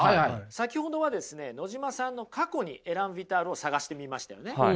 先ほどはですね野島さんの過去にエラン・ヴィタールを探してみましたよね。